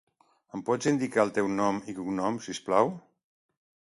Em pots indicar el teu nom i cognoms, si us plau?